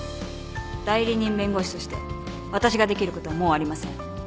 代理人弁護士として私ができることはもうありません。